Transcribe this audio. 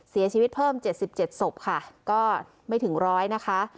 เสียชีวิตเพิ่มเจ็ดสิบเจ็ดสบค่ะก็ไม่ถึงร้อยนะคะ